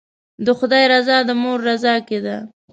د خدای رضا د مور رضا کې ده.